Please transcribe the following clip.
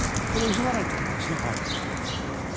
これを急がないといけないですね。